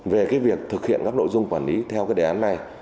về cái việc thực hiện các nội dung quản lý theo cái đề án này